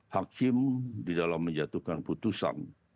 hakim di dalam menjatuhkan putusan